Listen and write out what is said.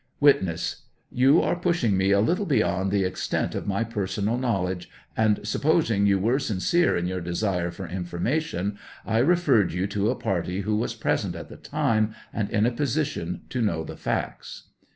] Witness. You are pushing me a little beyond the ex tent of my personal knowledge, and, supposing yon were sincere in your desire for information, I referred you to a party who was present at the time, and in a position to know the facts.